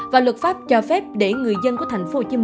và luật pháp cho phép để người dân của tp hcm